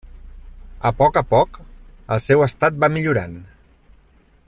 A poc a poc, el seu estat va millorant.